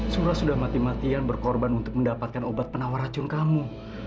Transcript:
surah sudah mati matian berkorban untuk mendapatkan obat penawar racun kamu